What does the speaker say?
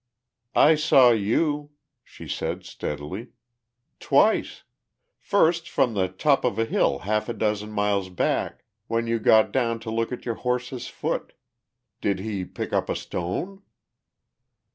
"I saw you" she said steadily. "Twice. First from the top of a hill half a dozen miles back when you got down to look at your horse's foot. Did he pick up a stone?"